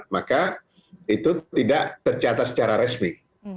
maka itu tidak tercatat secara resmi